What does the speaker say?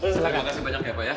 terima kasih banyak ya pak ya